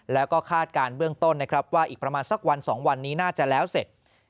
แล้วก็คาดการณ์เบื้องต้นนะครับว่าอีกประมาณสักวัน๒วันนี้น่าจะแล้วเสร็จ